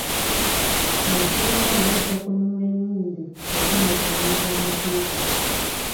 Abasirikale bajja kununula emmundu eri mu bumenyi bw'amateeka.